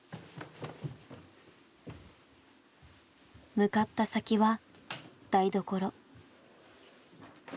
向かった先は台所。